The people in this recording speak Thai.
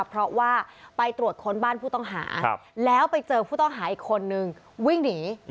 เพราะว่าไปตรวจค้นบ้านผู้ต้องหาแล้วไปเจอผู้ต้องหาอีกคนนึงวิ่งหนี